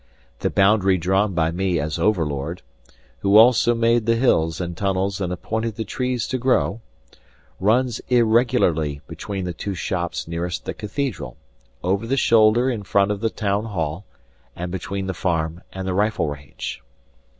The boundary drawn by me as overlord (who also made the hills and tunnels and appointed the trees to grow) runs irregularly between the two shops nearest the cathedral, over the shoulder in front of the town hall, and between the farm and the rifle range.